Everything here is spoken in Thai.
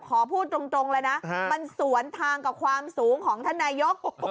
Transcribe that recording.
ขอพูดตรงเลยนะมันสวนทางกับความสูงของท่านนายก